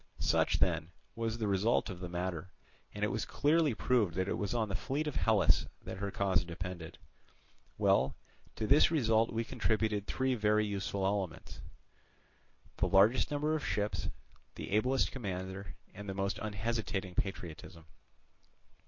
"Such, then, was the result of the matter, and it was clearly proved that it was on the fleet of Hellas that her cause depended. Well, to this result we contributed three very useful elements, viz., the largest number of ships, the ablest commander, and the most unhesitating patriotism.